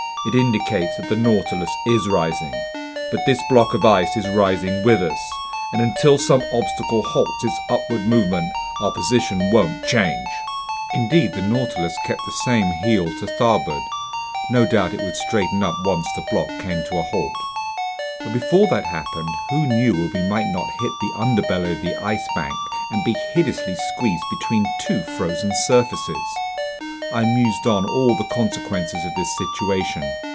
It indicates that the Nautilus is rising, but this block of ice is rising with us, and until some obstacle halts its upward movement, our position won't change." Indeed, the Nautilus kept the same heel to starboard. No doubt it would straighten up once the block came to a halt. But before that happened, who knew if we might not hit the underbelly of the Ice Bank and be hideously squeezed between two frozen surfaces? I mused on all the consequences of this situation.